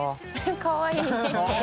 かわいい